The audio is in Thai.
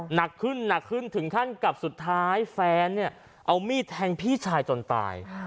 หนักขึ้นหนักขึ้นถึงขั้นกับสุดท้ายแฟนเนี่ยเอามีดแทงพี่ชายจนตาย